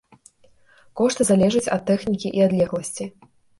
Кошты залежыць ад тэхнікі і адлегласці.